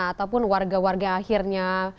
ataupun warga warga akhirnya